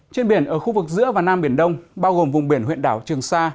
trên biển ở khu vực giữa và nam biển đông bao gồm vùng biển huyện đảo trường sa